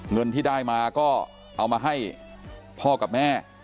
เงินที่ได้มาก็เอามาให้พ่อกับแม่